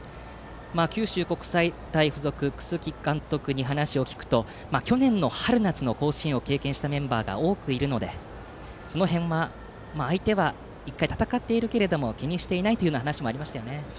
九州国際大付属の楠城監督に話を聞くと去年の春夏の甲子園を経験したメンバーが多くいるのでその辺は、相手は１回戦っているけれども気にしていないとありましたね。